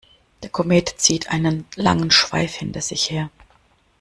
Der Komet zieht einen langen Schweif hinter sich her.